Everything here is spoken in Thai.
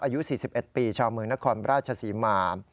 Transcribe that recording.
อายุ๔๑ปีชาวเมืองนครราชศรีมา